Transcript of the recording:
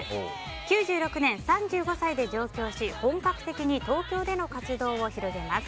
９６年３５歳で上京し本格的に東京での活動を広げます。